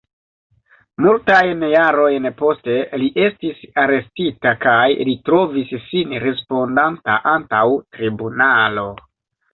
Multajn jarojn poste li estis arestita, kaj li trovis sin respondanta antaŭ tribunalo.